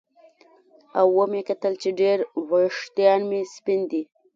او ومې کتل چې ډېر ویښتان مې سپین دي